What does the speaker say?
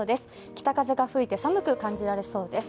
北風が吹いて寒く感じられそうです。